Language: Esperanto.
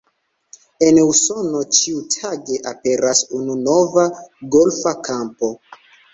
En Usono ĉiutage aperas unu nova golfa kampo.